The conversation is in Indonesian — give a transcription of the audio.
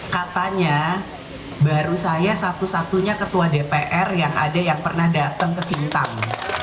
katanya baru saya satu satunya ketua dpr yang ada yang pernah datang ke sintang